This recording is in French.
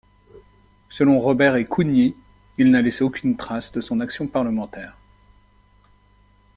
Selon Robert et Cougny, il n'a laissé aucune trace de son action parlementaire.